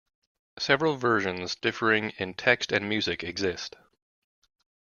Several versions, differing in text and music, exist.